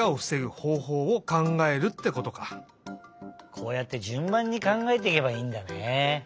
こうやってじゅんばんにかんがえていけばいいんだね。